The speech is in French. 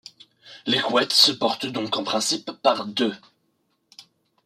Les couettes se portent donc en principe par deux.